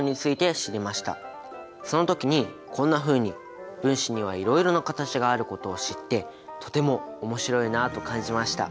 その時にこんなふうに分子にはいろいろな形があることを知ってとても面白いなあと感じました。